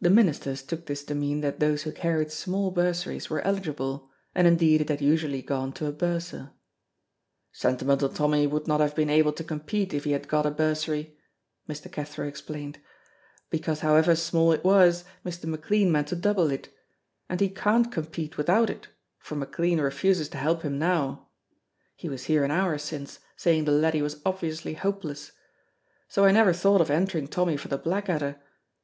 The ministers took this to mean that those who carried small bursaries were eligible, and indeed it had usually gone to a bursar. "Sentimental Tommy would not have been able to compete if he had got a bursary," Mr. Cathro explained, "because however small it was Mr. McLean meant to double it; and he can't compete without it, for McLean refuses to help him now (he was here an hour since, saying the laddie was obviously hopeless), so I never thought of entering Tommy for the Blackadder.